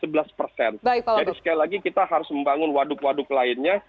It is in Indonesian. jadi sekali lagi kita harus membangun waduk waduk lainnya